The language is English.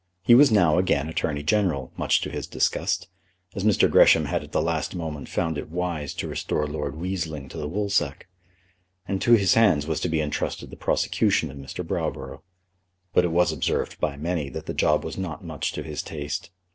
He was now again Attorney General, much to his disgust, as Mr. Gresham had at the last moment found it wise to restore Lord Weazeling to the woolsack; and to his hands was to be entrusted the prosecution of Mr. Browborough. But it was observed by many that the job was not much to his taste.